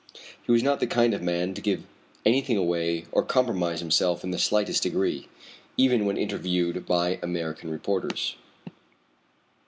He was not the kind of man to give anything away or compromise himself in the slightest degree, even when interviewed by American reporters.